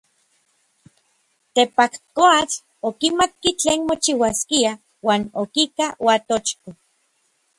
Tekpatkoatl okimatki tlen mochiuaskia uan okika Uatochko.